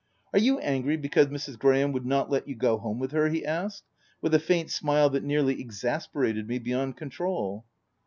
" Are you angry because Mrs. Graham would not let you go home with her ?" he asked with a faint smile that nearly exasperated me beyond controul.